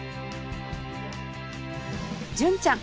純ちゃん